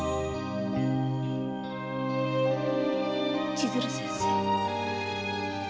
千鶴先生。